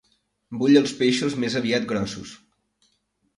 Vull els peixos més aviat grossos.